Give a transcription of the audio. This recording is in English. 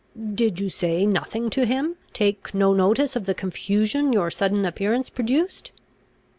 "Did you say nothing to him take no notice of the confusion your sudden appearance produced?"